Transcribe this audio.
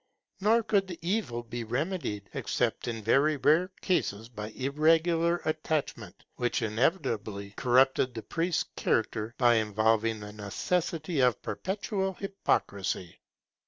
Nor could the evil be remedied, except in very rare cases, by irregular attachment, which inevitably corrupted the priest's character by involving the necessity of perpetual hypocrisy.